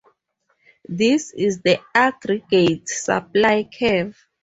This is the aggregate supply curve.